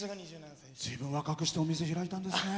ずいぶん若くしてお店開いたんですね。